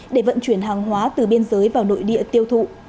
để vận chuyển hàng hóa từ biên giới vào nội địa tiêu thụ